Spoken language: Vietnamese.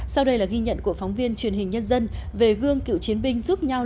sau đây là ghi nhận của phóng viên truyền hình nhân dân về gương cựu chiến binh giúp nhau